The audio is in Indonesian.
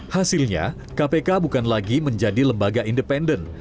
hasilnya kpk bukan lagi menjadi lembaga independen